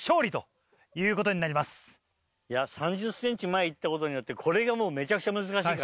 ３０ｃｍ前行ったことによってこれがもうめちゃくちゃ難しい。